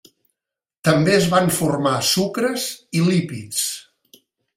També es van formar sucres i lípids.